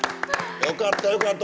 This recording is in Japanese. よかったよかった。